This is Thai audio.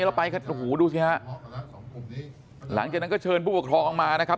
เราไปกันโอ้โหดูสิฮะหลังจากนั้นก็เชิญผู้ปกครองมานะครับ